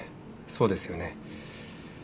そうですよね。